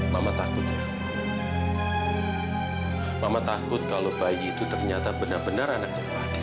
mama takut ya mama takut kalau bayi itu ternyata benar benar anaknya fadil